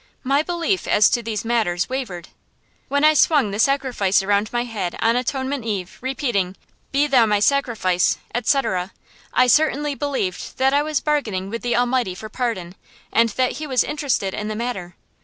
My belief as to these matters wavered. When I swung the sacrifice around my head on Atonement Eve, repeating, "Be thou my sacrifice," etc., I certainly believed that I was bargaining with the Almighty for pardon, and that He was interested in the matter.